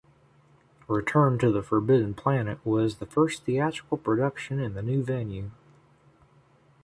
"Return to the Forbidden Planet" was the first theatrical production in the new venue.